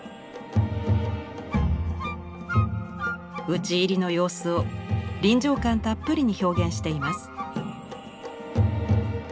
討ち入りの様子を臨場感たっぷりに表現しています。